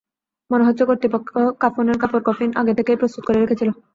মনে হচ্ছে, কর্তৃপক্ষ কাফনের কাপড়, কফিন আগে থেকেই প্রস্তুত করে রেখেছিল।